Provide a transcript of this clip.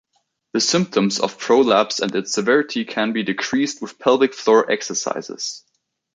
The symptoms of prolapse and its severity can be decreased with pelvic floor exercises.